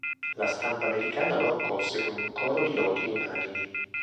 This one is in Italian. La stampa americana lo accolse con un coro di lodi unanimi.